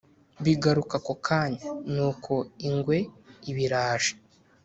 bigaruka ako kanya. nuko ingwe iba iraje